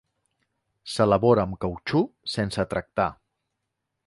S'elabora amb cautxú sense tractar.